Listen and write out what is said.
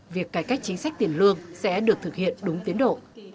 việc cải cách chính sách tiền lương sẽ được thực hiện đúng tiến độ